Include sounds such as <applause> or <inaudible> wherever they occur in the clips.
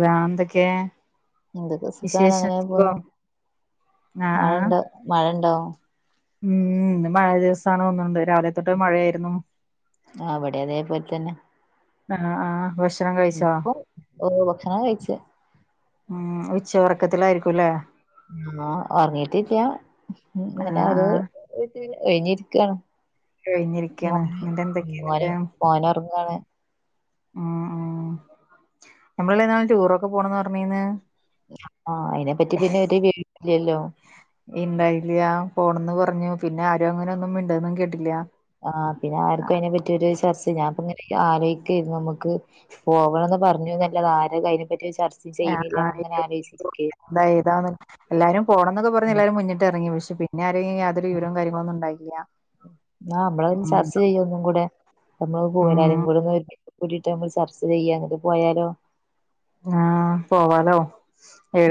എന്തൊക്കെ എന്തൊക്കെ സുഖാണോ വിശേഷം എങ്ങനെയായി പോണെ സുഖം ആഹ് ആഹ് മഴണ്ട മഴ ഇണ്ടാവും ഉം മഴ ദിവസാണ് തോന്നുണ്ട് രാവിലെ തൊട്ട് മഴയായിരുന്നു ആ ഇവിടെ അതേപോലെ തന്നെ ആ ആ ഭക്ഷണം കഴിച്ചോ ഇപ്പോ ഓ ഭക്ഷണം കഴിച്ച് ഉച്ചയുറക്കത്തിലായിരിക്കുംല്ലേ ആ ഉറങ്ങീട്ടിരിക്ക ആഹ് ഇങ്ങനെ ഒരു ആഹ് കഴിഞ്ഞിരിക്കയാണ് കഴിഞ്ഞിരിക്കയാണ് മോന് എന്നിട്ട് എന്തൊക്കെയാ മോന് എന്നിട്ട് മോന് ഉറങ്ങാണ് ഉം ഉം നമ്മളല്ലെ ഇന്നാള് ടൂറൊക്കെ പോണന്ന് പറഞ്ഞീന്ന് ആ അയിനെ പറ്റി പിന്നെ ഒരു വിവരല്ലല്ലോ ഇണ്ടായില്ല്യ പോണെന്ന് പറ പറഞ്ഞു പിന്നെ ആരും അങ്ങനെ ഒന്നും മിണ്ടന്നും കേട്ടില്ല്യ ആ പിന്നെ ആർക്കും അതിനെ പറ്റിയൊരു ചർച്ച ഞാൻ അങ്ങനെ ആലോയിക്കാരുന്നു നമുക്ക് പോവണംന്ന് പറഞ്ഞുന്നല്ലാതെ ആര് അതിനെ പറ്റി ചർച്ച ചെയ്യുന്നില്ല അങ്ങനെ ആലോചിക്ക ഏതാണ് എല്ലാരും പോണംന്നൊക്കെ പറഞ്ഞ് ഉം എല്ലാരും മുന്നിട്ട് ഇറങ്ങി പക്ഷെ പി പിന്നെ ആരെങ്കിലും യാതൊരു വിവരവും കാര്യങ്ങളും ഒന്നുംണ്ടായില്ല ആ നമ്മള ചർച്ച ചെയ്യ് ഒന്നും കൂടെ നമ്മള് ഉം <unintelligible> കൂടിട്ട് നമ്മൾ ചർച്ച ചെയ്യാ പോയാലോ ആ പോവാലോ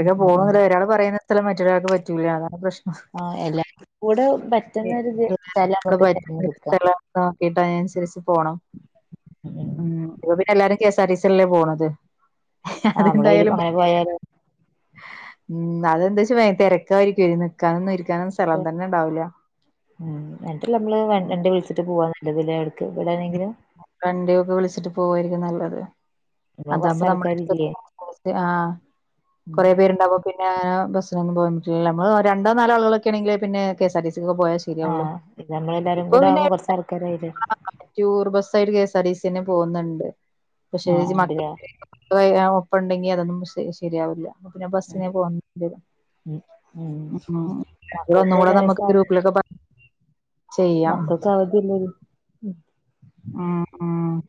ഉം ഉം ഉം പോണന്ന് ഒരാള് പറയുന്ന ത്രം മറ്റുള്ളരാൾക്ക് പറ്റൂല്ല അതാണ് പ്രശ്നം ആ എല്ലാർക്കും കൂടെ പറ്റുന്ന ഒരു സ്ഥലം നമുക്ക് <unintelligible> തിരഞ്ഞെടുക്കാം സ്ഥലം നോക്കിട്ടാ ഞാൻ നുസരിച്ച് പോണം. മം പിന്നെ എല്ലാരും കെ എസ് ആർ ടി സില്ലേ പോണത് ആ നമ്മളെ അതെന്തായാലും <unintelligible> അങ്ങനെ പോയാല് ഉം അതെന്തച്ചാ തിരക്കായിരിക്കേ. നിക്കാനൊ ന്നും ഇരിക് <unintelligible> മം എന്നിട്ട് നമ്മള് എന്റെ വീട്ടിൽക്കു പോവാ നല്ലത് ലേ കണ്ടിയൊക്കെ വിളിച്ചിട്ട് പോവായിരിക്കും നല്ലത് നമ്മള് കൊറച്ച് അതാവുമ്പം നമ്മുടെ ആൾക്കാരില്ലേ <unintelligible> ആഹ് ഉം കുറേ പേര്ണ്ടാവ്‌മ്പം പിന്നെ ബസിനൊന്നും പോവാൻ പറ്റൂലല്ലോ. നമ്മള് രണ്ടോ നാലോ ആളുകളൊക്കെ ആണെങ്കില് പിന്നെ കെസ്ആർ ടി സി കൊക്കെ പോയാ ആ ശരിയാവുള്ളൂ ഇത് നമ്മളെല്ലാരും ഇപ്പൊ കൂടെ പിന്നെ ആവുമ്പോ കൊറച്ച് ആൾക്കാരായില്ലേ <unintelligible> ടൂർ ബസ് ആയിട്ട് K S R T C തന്നെ പോകുന്നുണ്ട് പക്ഷേ ആ <unintelligible> ഉണ്ട്ല്ലേ ഒപ്പം ഉണ്ടെങ്കി അതൊന്നും ശെ ശരിയാവില്ല അപ്പം ഞാൻ ബസ്സിനെ പോക ണ്ടിയേരും ഉം <unintelligible> മക്കൾക്ക് ഒന്നും കൂടെ ഒരു നമ്മുക്ക് ഗ്രൂപ്പിലൊക്കെ പറ മക്കൾസ് അവധിയല്ലേ ഉം ആഹ് ആഹ്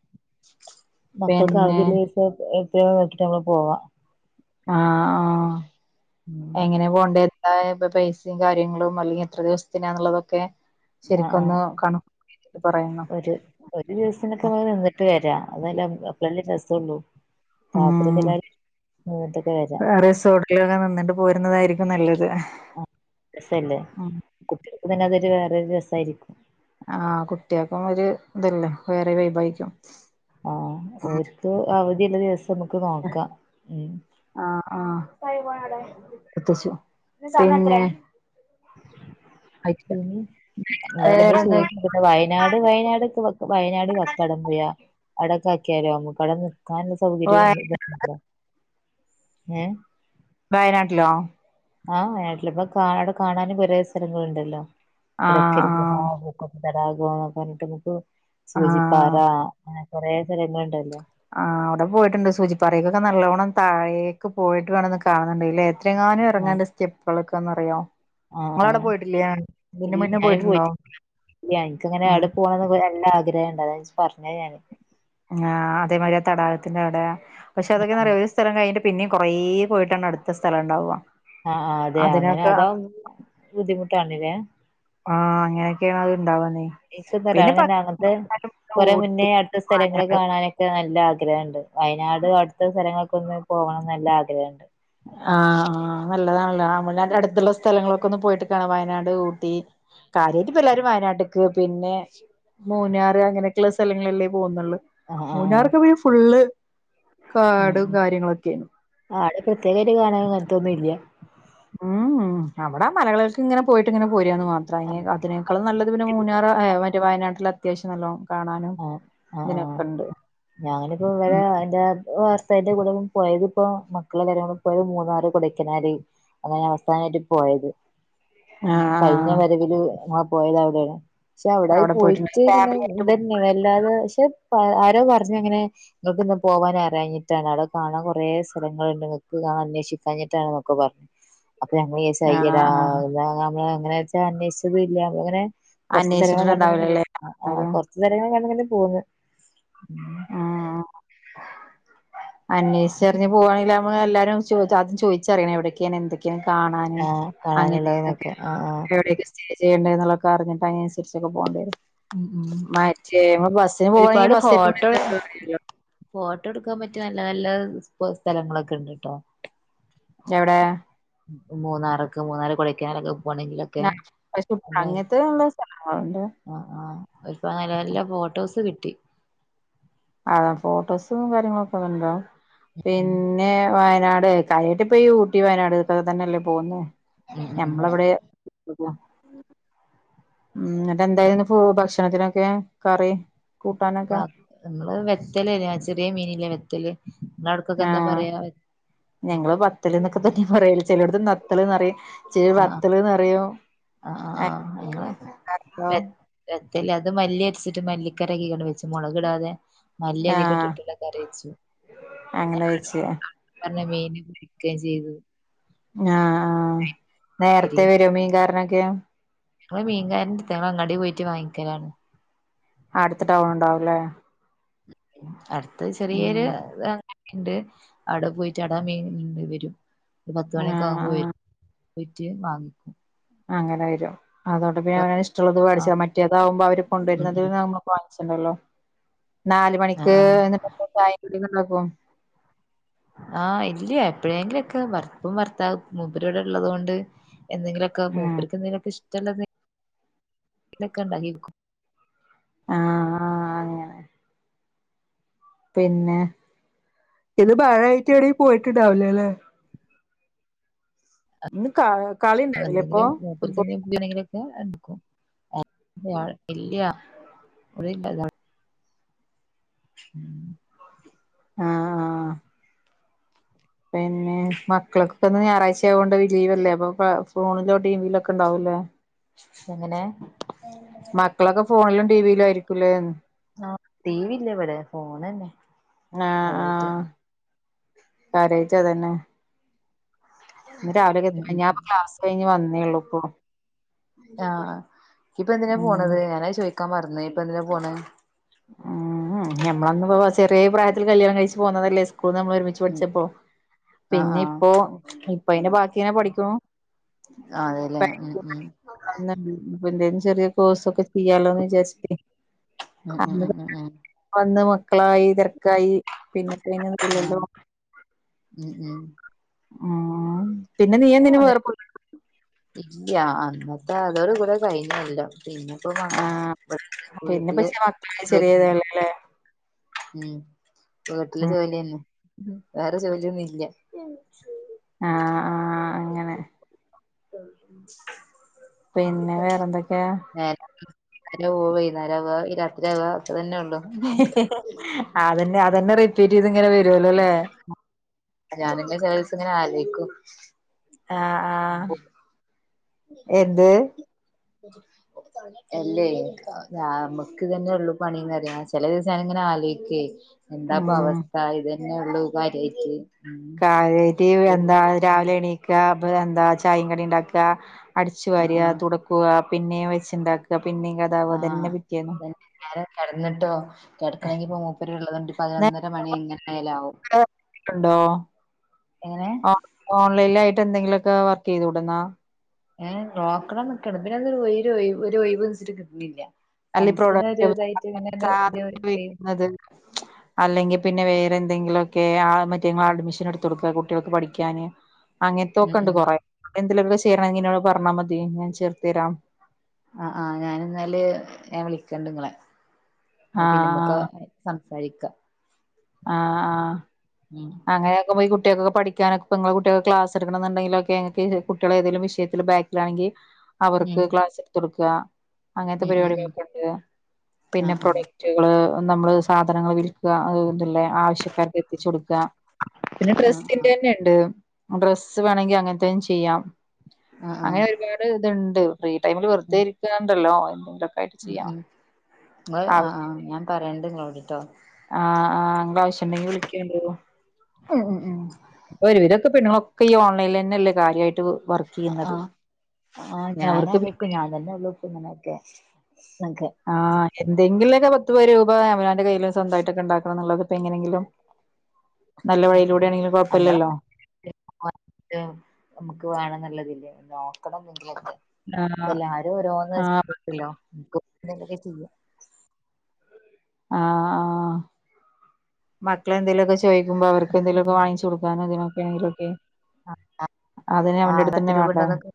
മക്കൾക്ക് അവധിയില്യേസം എത്രയ <unintelligible> നമ്മൾ പോവാ ആ ആ ഉം എങ്ങനെ പോണ്ടേ എ പൈസിം കാര്യങ്ങളും അല്ലെങ്കിൽ എത്ര ദിവസത്തിനാന്നുള്ളതൊക്കെ ആഹ് ആഹ് ശരിക്കൊന്ന് കണ ഒരു ഒരു ദിവസിനൊക്കെ നിന്നിട്ട് വരാ അതെല്ലെ അപ്പളല്ലേ രസൊള്ളു നിന്നിട്ടൊക്കെ വരാ ആ റിസോർട്ടിലൊക്കെ നിന്നിട്ട് പോരുന്നതായിരി നല്ലത് ആഹ് രസല്ലേ ഉം കുട്ടികൾക്ക് തന്നെ അതൊരു വേറൊരു രസായിരിക്കും ആ കുട്ടികൾക്കും ഒരു ഇതല്ലേ വേറെ വൈബായിക്കും ആ ഓര്ക്ക് അവധിയുള്ള ദിവസം നമുക്ക് നോക്കാ മം ഇട്ത്തച്ചു പിന്നെ ആയിട്ടില്ല പിന്നെ അത നമ്മൾ വേറെന്താ ചോദിച്ച വയനാട് വയനാട്ക്കെ വയനാട് കക്കാടംപൊയിൽ റിയ അവടെക് ലോ ന കട നിക്കാനുള്ള വ സൗകര്യം ഇല്ലോ വയനാട്ടിലോ ആ വയനാട്ടില് ഇപ്പ കാ അവിടെ കാണാനും കൊറേ സ്ഥലങ്ങളണ്ടല്ലോ എടക്കൽ ഗുഹ <unintelligible> ആഹ് സ് <unintelligible> ക എന്ന പറഞ്ഞിട്ട് നമുക്ക് ആഹ് സൂചിപ്പാറ ആഹ് അങ്ങനെ കൊറേ സ്ഥലങ്ങളുണ്ടല്ലോ ആ അവിടെ പോയിട്ടുണ്ട് സൂചിപ്പാറയ്ക്കൊക്കെ നല്ലോണ്ണം താഴേക്ക് പോയിട്ട് വേണം കാണുന് ത്രങ്ങാനും ആഹ് ഇറങ്ങേണ്ട സ്റ്റെപ്പുകളെക്കെന്ന്റിയോ ഇങ്ങളവിടെ ആഹ് പോയിട്ടില്ലേ ഇതിൻ്റെ മുന്നേ പോയിട്ടുണ്ടോ ഇല്യ ഇൻക്കങ്ങനെ ഉം അവ്ടെ പോണതു നല്ല ആഗ്രഹണ്ട് അതാ അതാ <unintelligible> പറ ആ അതേമാതിരി ആ തടാകത്തിന്റെ അവിടെ. പക്ഷെ അതൊക്കെ ന്നറിയോ ഒരു സ്ഥലം കഴിഞ്ഞിട്ട് പിന്നിം കുറേ പോയിട്ടാണ് അടുത്ത സ്ഥലം ഉണ്ടാവ ആ ആ അതെയ അങ്ങനെ അതാവുമ്പോൾ ബുദ്ധിമുട്ടാണില്ലേ ആഹ് അങ്ങനൊക്കെയാണ് അത് ഇണ്ടാവ ഇൻക് <unintelligible> അന്നെ അങ്ങനത്തെ കൊറെ മുന്നേ ഊട്ടി അടുത്ത സ്ഥലങ്ങള് വയനാട് കാണാനൊക്കെ നല്ല ആഗ് രഹണ്ട്. വയനാട് അടുത്ത സ്ഥലങ്ങളൊ ക്കൊന്ന് പോകണംന്ന് നല്ല ആഗ്രഹണ്ട് ആ ആ നല്ലതാണല്ലോ വനവൻ്റെ അടുത്തുള്ള സ്ഥലങ്ങളൊക്കെ ഒന്ന് പോയിട്ട് കാണ് വയനാട് ഊട്ടി കാര്യായിട്ട് ഇപ്പ എല്ലാവാരും വയനാട്ടക്ക് പിന്നെ മൂന്നാറ് അങ്ങനെയൊക്കെയള്ള സ്ഥലങ്ങളല്ലേ പോകുന്നുള്ളൂ ആഹ് ആഹ് ആഹ് മൂന്നാർക്കെ പോ ഫുള്ള് ഉം കാടും ഉം കാര്യങ്ങളൊക്കെയു ആടെ പ്രത്യേകായിട്ട് കാണാനൻ അങ്ങനത്തൊന്നും ഇല്ല ഉം ഉം അവിടെ മലകളൾക്ക് ഇങ്ങനെ പോയിട്ട് ഇങ്ങനെ പോയി ആഹ് <unintelligible> അതിനേക്കാലും നല്ലത് പിന്നെ മൂന്നാർ മറ്റേ വയനാട്ടില് അത്യാവശ്യം നല്ലണം ആ ആ ആ ഞാങ്ങനെപ്പോ ഇവിടെ ഉം എൻ്റെ <unintelligible> തിന്റെ കൂടെ പോയതി ഇപ്പോ മക്കളെ കരെടെ പോയത് മൂന്നാറ് കൊടക്കനാല് അതെ അവസാനമായിട്ട് പോയത് ഉം ആഹ് കഴിഞ്ഞ ആഹ് വരവില് നെ പോയത് അവിടെയാണ് പക്ഷെ അവിടായി അവിടെ പോയിട്ടുണ്ട് പോയിട്ട് ഇങ്ങനെ ഫാമിലി ആയിട്ട് അല്ലാതെ പക്ഷെ ആരോ പറഞ്ഞഞ് അങ്ങനെ നിങ്ങക്ക് ഇന്ന് പോവാനരാഞ്ഞിട്ടാണ് അവിടെ കാണാൻ കുറെ സ്ഥലങ്ങളു അന്വേഷിക്കഞ്ഞിട്ടാെന്നൊക്കെ പറഞ്ഞത് അപ്പൊ ഞമ്മൾ ആഹ് യ്യടാാ ആഹ് നമ്മള എങ്ങനെ വെച്ചാ അന്വേഷിച്ചതും ഇല്ലങ്ങനെ കുറച്ച് സ്ലങ്ങ അന്വേഷിച്ചിട്ടുണ്ടാവില്ലല്ലേ ആൾക്കാര് പ <unintelligible> ങ്ങനെ പോന്ന് ഉം ആ അന്വേഷിച്ചറിഞ് പോവാണില്ല എല്ലാരും ആ ചോദിച്ചറിയണം എവിടേക്ക എന്തൊക്കാണ് കാണാന് ആഹ് കാണാനുള്ളത് അങ്ങനെൊക്കെ നോക്ക ആഹ് ആഹ് എവിടെക്കെ ചെയ്യണ്ട എന്നൊക്കെറിഞ്ഞിട്ട് അതിനനുസരിചു പോകേണ്ടെ ഉം ഉം മറ്റേ നമ്മ ബസ്സിന് ഒരുപാട് പോകാണെങ്കിൽ എന്തായാലും അറിയല്ലോ <unintelligible> പട്ട എടുക്കാൻ പറ്റി നല്ല നല്ല സ്ഥലങ്ങളൊക്കെ ഇണ്ട് കേട്ടോ എവിടെ മൂന്നാർക്ക് മൂന്നാർ കൊടൈക്കനാലൊക്കെ പോണെങ്കിലൊക്കെ <unintelligible> ആ ആ ഒരുപ്പോ നല്ല നല്ല ഫോട്ടോസ് കിട്ടി അ ഫോട്ടോസും കാര്യങ്ങളൊക്കെണ്ടാവും ഉം പിന്നെ വയനാട് കാര്യായിട്ട് ഊട്ടി വയനാട് ഇക്കൊക്കെ തന്നെയല്ലേ പോകുന്നേ ഉം ഉം മ്മളവിടെ എന്ന എന്തായി ഭക്ഷണത്തിനൊക്കെ കറി കൂട്ടാനൊക്കെ ബാ നമ്മള് വെത്തലല്ലേ ചെറിയ മീനല്ലേ വെത്തല് നിങ്ങളെ അവിടക്കൊക്കെ ആ എന്താ പറയാ ഞങ്ങള് പത്തൽന്നൊക്കെ പറ ഇ പറയല ചിലയിടത്ത നത്തൽറയും ചെില വത്തൽ നിറോ ആ വേറെ അല്ല അത് മല്ലി അടിച്ചിട്ട് മല്ലിക്കര കീടെ വെച്ചു മുളകിടാതെ മല്ലി അധികം ആഹ് ഇട്ടിട്ടില്ല കറി വച്ചു പിന്നെ. അങ്ങനെ വെച്ച് നല്ല മീൻ പൊരിക്കേം ചെയ്തു ആഹ ആഹ ഉപ്പേരി നേരത്തെ വരും മീൻ കാരനൊക്കെ ഞങ്ങള് മീൻകാരന്റെ അടുത്തോ ഞങ്ങള് അങ്ങാടി പോയിട്ട് വാങ്ങിയ്ക്കലാണ്. അടുത്ത് ടൗൺ ഉണ്ടാവു അല്ലേ. അടുത്ത ചെറിയൊരു ണ്ട് അവിടെ പോയിട്ട് അടാ മീൻണ്ട് വരും ഒരു പത്ത് മണിയൊക്കെ ആഹ് ആകുമ്പോ ആഹ് വരും പറ്റിയെ വാങ്ങിക്കും. അങ്ങനെ വരും അതുകൊണ്ട് പിന്നെ അവന ഇഷ്ടമുള്ളത് പഠിച്ച ആഹ് മറ്റേതാാവുമ്പോ അവര് ഉം ഉം കൊണ്ടുവരുന്നുന്നത് നമ്മ ണ്ടല്ലോ നാല ആഹ് മണിക്ക് ആഹ് എന്നിട്ട ചായ കടിണ്ടാക്കും ആഹ ഇല്ല എപ്പഴെങ്കിലുംക്കെ ഭർ ഭർത്താവ് മൂപ്പർ ഇവിടെ ഉള്ളത് കൊണ്ട് എന്തെങ്കിലുമൊക്കെ ആഹ് മൂപ്പരക്ക് എന്തെങ്കലൊക്കെ ഇഷ്ടമുള്ളത്ലൊക്കെ <inaudible> ഉണ്ടാക്കി ആഹ ആ അങ്ങനെ പിന്നെ ഇത് മഴായിട്ട് എവിട പോയിട്ടുണ്ടാവലേ അല്ലേ കളി ഉണ്ടായിരുന്നില്ലേ ഇപ്പൊ അതല്ലെങ്കിലും ഫുട്ബോൾ മൂപ്പർക്ക് എന്തേലും <unintelligible> എടുക്കും <unintelligible> <inaudible> <inaudible> ആഹ ആഹ പിന്നെ മക്കൾക്കൊക്കെ ഒന്ന് ഞായറാഴ്ച ആയ കൊണ്ട് ലീവല്ലേ അപ്പൊ ഫോണിലോ ടീവിയിലൊക്കെ ഉണ്ടാവൂലേ എങ്ങനെ. മക്കളൊക്കെ ഫോണിലും ടി വിയിലും ആയിരിക്കൂല്ലേ ആഹ ടി വി ഇല്ല ഇവിടെ ഫോൺന്നെ അതേറ്റ് കാര്യയിട്ട് അതന്നെ. ഇന്ന് രാവിലൊക്കെ ഉം എന്താ ഉം ഉം ഞാനിപ്പം ക്ലാസ് കഴിഞ്ഞ് വന്നേയുള്ളൂ ഇപ്പൊ. ആഹ് ഇപ്പ എന്തിനാ ഉം പോണത് ഞാനാ ചോയ്ക്കാൻ പറഞ്ഞേ ഇപ്പ എന്തിനാ പോണ ഉം ഞമ്മൊന്ന് പോ ചെറിയ പ്രായത്തിൽ കല്യാണം കഴിച്ച് പോന്നതല്ലേ <unintelligible> നമ്മ ഒരുമിച്ച് ഉം പഠിച്ചപ്പോ. ആഹ് പിന്നെ ആഹ് ഇപ്പോ ഇപ്പൊ അയിന്റെ ബാക്കി ഇങ്ങനെ പഠിക്കണു അതെല്ലേ ഉം ഉം <unintelligible> ചെറിയ കോസൊക്കെ ചെയ്യാലോന്ന് വിജാരി <unintelligible> ഉം ഉം ഉം ഉം ഉം വന്ന് മക്കളായി തിരക്കായി പിന്നെ ആഹ് <unintelligible> ഉം ഉം ഉം പിന്നെ നീ എന്തിന് ഓന് വേറ ഇല്ല അന്നത്തെ അതോടു കൂടെ കൈഞ്ഞല്ലം ആഹ് പിന്നെ പക്ഷെ മക്കളെ <unintelligible> ചെറിയതല്ലല്ലേ ഉം വീട്ടിലെ ഉം ജോലി തന്നെ വേറെ ജോലിയൊന്നുംല്ല ആഹ് ആഹ് അങ്ങനെ പിന്നെ വേറെന്തൊക്കെയാ <unintelligible> അ <unintelligible> വൈന്നാരാവ ഈ രാത്രിയാവ ഒക്കെ <unintelligible> അതന്നെ അതന്നെ റിപ്പീറ്റ് ചെയ്ത് ഇങ്ങനെ വരുവല്ലോല്ലേ ഞാനിങ്ങനെ ചില ദിവസം ഇങ്ങനെ ആലോയിക്കും ആഹ് ആഹ് എന്ത് അല്ലെ നമുക്ക് ഇതന്നെ ഉള്ളു പണിന്ന്റിയ ചെല ദിവസ ഞ ആലോയിക്കെ എന്താപ്പൊ ഉം അവസ്ഥ ഇതന്നയെ ഒള്ളു കാര്യായിട്ട് ഉം കാര്യായിട്ട് എന്താ രാവിലെ എണീക്ക എന്താ ചായ കടീം ഉണ്ടാക്ക അടിച്ചു ആഹ് വാരുക, ആഹ് തുടക്കുക പിന്നെ വെച്ചുണ്ടാക്ക ആഹ് <unintelligible> തന്നെ. ല്ലാരും കെടന്നിട്ടോ കിടക്കണെങ്കിപ്പോ മൂപ്പര് ഉള്ളതൊണ്ട് പതിനൊന്നര മണി എങ്ങനായാലും ആവും എങ്ങനെ ഓൺ ഓൺലൈനിലായിട്ട് എന്തെങ്കിലു ഒക്കെ വർക്ക് ചെയ്ത് കൂടന്നാ ഏഹ് നോക്കണം ന്നൊക്കെ ആണ്. പിന്നെ ഒന്നൊര് ഒയ്വ് ഒരൊഴിവ് വെച്ചിട്ട് കിട്ടണില്ല അല്ല ഈ പ്രൊഡക്റ്റൊ <unintelligible> ഒരു സാധനങ്ങൾ ഒരു വിക്കുന്നത് അല്ലെങ്കിൽ പിന്നെ വേറെ ന്തെങ്കിലു ഒക്കെ ആ മറ്റേങ്ങള് അഡ്മിഷൻ എടുത്ത് കൊടുക്ക കുട്ടികൾക്ക് പഠിക്കാന് ഉം അങ്ങൻത്തൊക്കെ ഇണ്ട് ഉം കുറെ എന്തിലൊക്കെ ചേരണങ്കി ഇന്നോട് പറഞ്ഞാ മതി ഞാൻ ചേർത്ത് തരാം ആ ആഹ് ഞാനിന്നല് ഞാൻ വിളിക്കണ്ട് ഇങ്ങളെ. അത് പിന്നെമ്മക്ക് ആഹ് സം സാരിക്ക ആഹ് ആഹ് അങ്ങനാക്കുമ്പൊ ഈ കു ട്ടിയേക്കൊക്കെ പഠിക്കാനൊക്കെ ഇപ്പങ്ങളെ കുട്ടിയേക്ക് ക്ലാസ് എടുക്കണംന്ന് ഉണ്ടെങ്കിലൊക്കെ ഇങ്ങക്ക് കുട്ടിയെള് ഏതെലും വിഷയത്തില് ബാക്കിലാണങ്കി ഉം അവർക്ക് ക്ലാസ് എടുത്ത് കൊടുക്ക അങ്ങനത്തെ ഉം ഉം ഉം പരിപാടികളൊക്കെ ഉണ്ട് പിന്നെ ആഹ് ആഹ് പ്രൊഡക്റ്റുകള് നമ്മള് സാധനങ്ങൾ വിൽക്കുക അഹ് ഇതില്ലേ ആവശ്യക്കാർക്ക് എത്തിച്ച് കൊടുക്ക പിന്നെ ആഹ് ആഹ് ഡ്രസ്സിന്റെന്നെ ഇണ്ട്. ഡ്രസ്സ് വേണെങ്കി അങ്ങനത്തതും ചെയ്യാം ആഹ് ആഹ് അങ്ങനെ ഒരുപാട് ഇത്ണ്ട്. ഫ്രീ ടൈമിൽ വെറുതെ ഇരിക്കാണ്ടല്ലോ എന്തെങ്കിലൊ ഉ ഉം നിങ്ങൾ അ ആ ഞാൻ പറയണ്ട് നിങ്ങളോട് ട്ടോ ആഹ് ആ് അ ആാവശ്യംുണ്ടെങ്കി വിളിക്കണ്ടോ ഉം ഉം ഉം ഒരുവിധൊക്കെണങ്ങളൊക്കെ ഓൺലൈൽ തന്നെല്ലള്ള കാര്യമായിട്ട് വർക്ക് ചെയ്യുന്നത് ആഹ ആഹ ഞാന അവർക്ക് പി അറിിയക്കും ഞാൻ തന്നെ ഉള്ളൂക്ക ഇങ്ങനൊക്കെ നക്കെ ആ എന്തെങ്കിലുമൊക്കെ പത്ത്ു പ രൂപ അമനാന്റെ കയ്യിും സ്വന്തമായിട്ടൊക്കെ ഉണ്ടാക്കണം എന്നുള്ളത് ഇപ്പപ്പോ എങ്ങനെയെങ്കിലും നല്ല ആ വഴയിലൂടെ ആണെങ്കിലും ആ നമ്മളെ കുഴപ്പമില്ലല്ലോ നമുക്ക് വേണം എന്നുള്ളതില്ലേ നോക്കണംെങ്കിലെ ആ എല്ലാരും ആ ഓോന്ന്ല്ലോ ിലക്കെ ചെയ്യാം ആഹ ആഹ മക്കളെന്തെല ക്ക ചോദുമ്പോ അവർക്കെ ന്തങ്കുമൊക്ക വങ്ങിച്ചു കൊക്കതിനൊക്കെെങ്കിലൊക്കെ അതിനെ അവന്റെ ആഹ് അടുത്തന്നെ പത്ത് രൂപ വേണ്ട ഉണ്ടോന്നൊക്കെ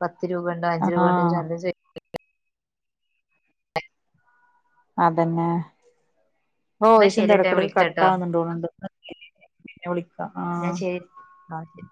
പത്ത് രൂപണ്ടോ അഞ്ചു രൂപ ആ കണ്ട അദ്യം ചെയ അതന്നെ എന്നാ യിസിന്റെ ശരിട്ടോ ഞാൻ ഇടക്കിടക്ക് കട്ട വിളിക്കാട്ടോ ആാവുന്നുണ്ടോണണ്ട് എളി ഞാ ശരി ആഹ ശരി